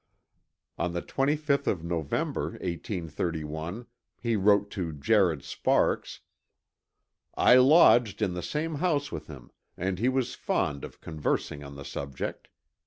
On the 25th of November, 1831, he wrote to Jared Sparks, "I lodged in the same house with him, and he was fond of conversing on the subject.